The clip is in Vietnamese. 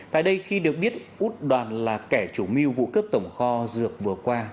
tại đây khi được biết út đoàn là kẻ chủ mưu vụ cướp tổng kho dược vừa qua